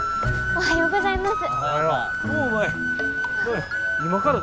おはようございます。